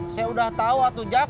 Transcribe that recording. saya udah tahu ojak